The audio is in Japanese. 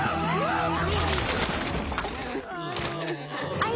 ああ。